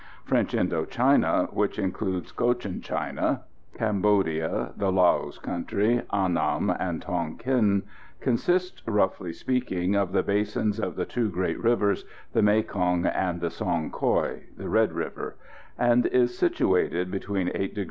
French Indo China, which includes Cochin China, Cambodia, the Laos country, Annam and Tonquin, consists, roughly speaking, of the basins of the two great rivers, the Mekong and the Song Koï (Red River), and is situated between 8 deg.